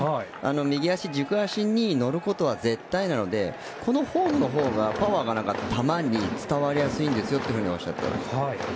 右足、軸足に乗ることは絶対なのでこのフォームのほうがパワーが球に伝わりやすいんですよとおっしゃっていました。